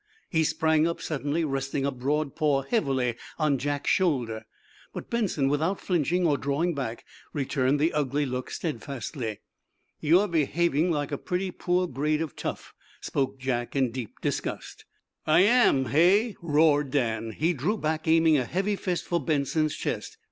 He sprang up suddenly, resting a broad paw heavily on Jack's shoulder. But Benson, without flinching, or drawing back, returned the ugly look steadfastly. "You're behaving like a pretty poor grade of tough," spoke Jack, in deep disgust. "I am, hey?" roared Dan. He drew back, aiming a heavy fist for Benson's chest.